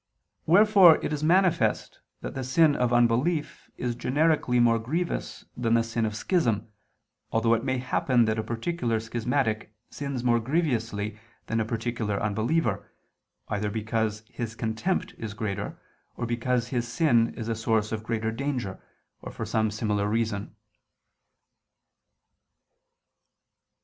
Wherefore it is manifest that the sin of unbelief is generically more grievous than the sin of schism, although it may happen that a particular schismatic sins more grievously than a particular unbeliever, either because his contempt is greater, or because his sin is a source of greater danger, or for some similar reason.